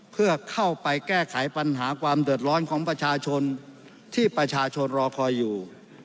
เพื่อเข้าไปแก้ไขปัญหาความเดือดร้อนของประชาชนที่ประชาชนรอคอยอยู่